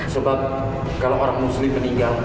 sebab kalau orang muslim meninggal